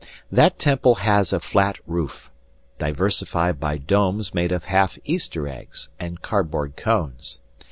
That temple has a flat roof, diversified by domes made of half Easter eggs and cardboard cones.